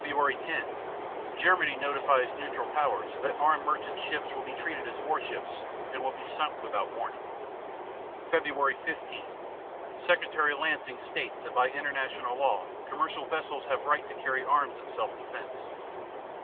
10 Germany notifies neutral powers that armed merchant ships will be treated as warships and will be sunk without warning. _Feb. 15 Secretary Lansing states that by international law commercial vessels have right to carry arms in self defense.